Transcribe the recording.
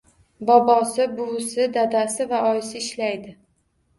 Bobosi, buvisi, dadasi va oyisi ishlaydi